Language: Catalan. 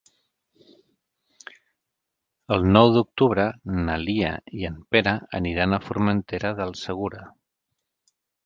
El nou d'octubre na Lia i en Pere aniran a Formentera del Segura.